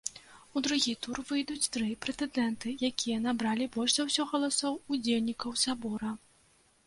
У другі тур выйдуць тры прэтэндэнты, якія набралі больш за ўсё галасоў удзельнікаў сабора.